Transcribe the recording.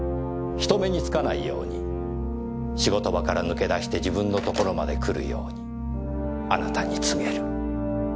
人目に付かないように仕事場から抜け出して自分の所まで来るようにあなたに告げる。